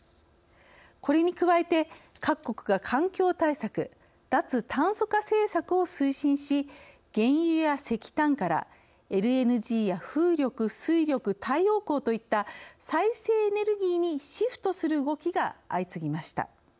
これに加えて各国が環境対策・脱炭素化政策を推進し原油や石炭からＬＮＧや風力・水力・太陽光といった再生エネルギーにシフトする動きが相次ぎました。